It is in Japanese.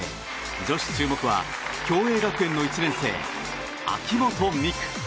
女子注目は共栄学園の１年生秋本美空。